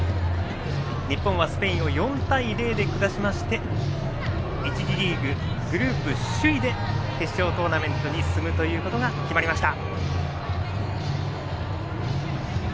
日本はスペインを４対０で下しまして１次リーグ、グループ首位で決勝トーナメントに進むことが決まりました。